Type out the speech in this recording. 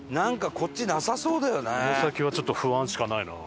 この先はちょっと不安しかないな。